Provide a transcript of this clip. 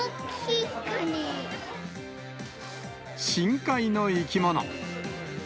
深海の生き物。